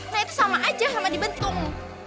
nah itu sama aja sama dibentuk